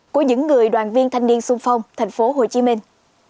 của những người đoàn viên thanh niên sung phong thành phố hồ chí minh